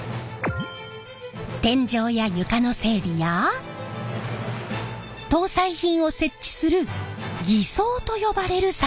天井や床の整備や搭載品を設置する艤装と呼ばれる作業！